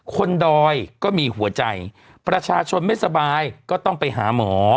ดอยก็มีหัวใจประชาชนไม่สบายก็ต้องไปหาหมอ